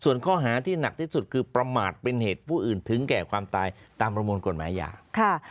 ส่วนข้อหาที่หนักที่สุดคือประมาทเป็นเหตุผู้อื่นถึงแก่ความตายตามประมวลกฎหมายยาค่ะ